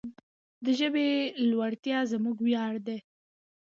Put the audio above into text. د ژبې لوړتیا زموږ ویاړ دی.